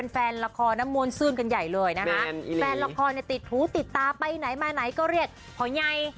แฟนละครติดตาไปมาไหนก็เรียกผอยัย